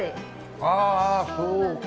ああそうか。